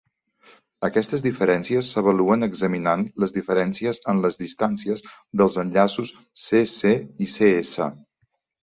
Aquestes diferències s'avaluen examinant les diferències en les distàncies dels enllaços C-C i C-S.